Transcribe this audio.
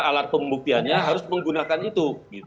alat pembuktiannya harus menggunakan itu